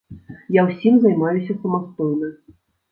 Я ўсім займаюся самастойна.